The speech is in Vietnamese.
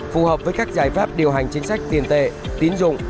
phù hợp với các giải pháp điều hành chính sách tiền tệ tín dụng